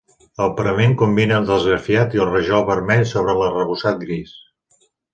El parament combina l'esgrafiat i el rajol vermell sobre l'arrebossat gris.